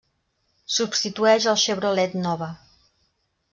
Substitueix al Chevrolet Nova.